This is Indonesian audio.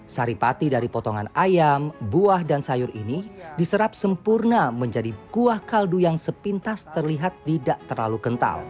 saripati dari potongan ayam buah dan sayur ini diserap sempurna menjadi kuah kaldu yang sepintas terlihat tidak terlalu kental